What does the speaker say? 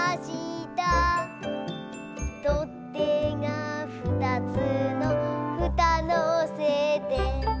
「とってがふたつのフタのせて」